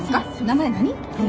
名前何？